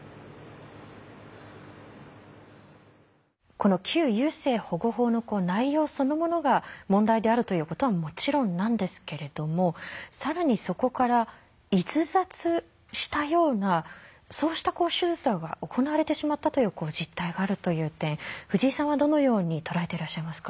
この旧優生保護法の内容そのものが問題であるということはもちろんなんですけれども更にそこから逸脱したようなそうした手術が行われてしまったという実態があるという点藤井さんはどのように捉えていらっしゃいますか？